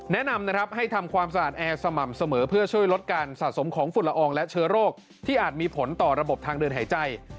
แนะนำนะครับให้ทำความสะอาดแอร์สม่ำเสมอเพื่อช่วยลดการสะสมของฝุ่นละอองและเชื้อโรคที่อาจมีผลต่อระบบทางเดินหายใจ